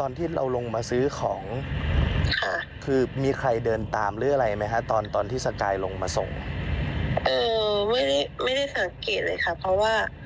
ตอนที่เราลงมาซื้อของคือมีใครเดินตามหรืออะไรไหมคะตอนที่สกายลงมาส่งไม่ได้สังเกตเลยค่ะเพราะว่า